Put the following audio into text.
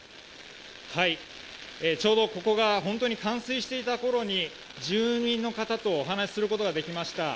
ちょうどここが冠水していたころに住民の方とお話しすることができました。